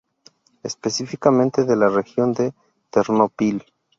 Específicamente de la región de Ternópil.